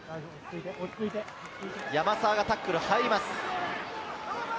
山沢がタックルに入ります。